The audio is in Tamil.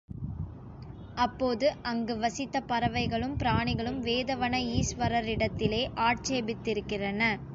அப்போது அங்கு வசித்த பறவைகளும் பிராணிகளும் வேதவன ஈசுவரரிடத்திலே ஆட்சேபித்திருக்கின்றன.